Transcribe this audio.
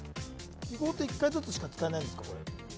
記号って１回ずつしか使えないんですか？